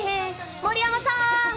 盛山さーん！